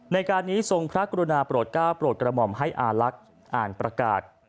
ในการนี้ทรงพระกรุณาโปรดก้าวโปรดกระหม่อมให้อาลักษณ์อ่านประกาศ